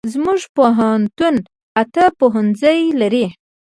زمونږ پوهنتون اته پوهنځي لري